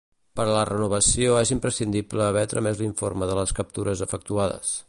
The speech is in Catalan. Per a la renovació és imprescindible haver tramès l'informe de les captures efectuades.